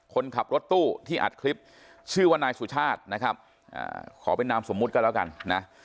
คนขับรถตู้ที่อัดคลิปชื่อว่านายสุชาตินะครับขอเป็นนามสมมุติก็แล้วกันนะ